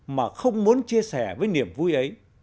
mà không muốn chia sẻ với niềm vui ấy